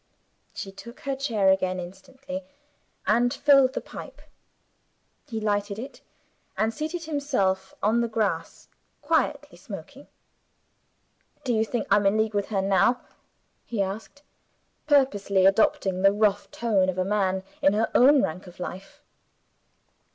She took her chair again instantly, and filled the pipe. He lighted it, and seated himself on the grass, quietly smoking. "Do you think I'm in league with her now?" he asked, purposely adopting the rough tone of a man in her own rank of life.